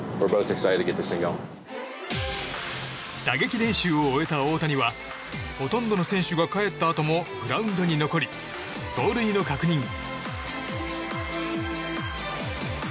打撃練習を終えた大谷はほとんどの選手が帰ったあともグラウンドに残り走塁の確認。